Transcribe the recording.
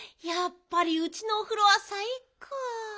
やっぱりうちのおふろはさいこう。